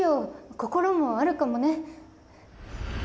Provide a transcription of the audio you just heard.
心もあるかもね。